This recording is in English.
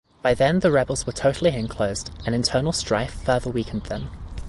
By then the rebels were totally enclosed, and internal strife further weakened them.